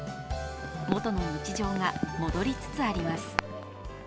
元の日常が戻りつつあります。